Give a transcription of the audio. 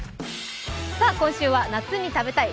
今週は「夏に食べたい！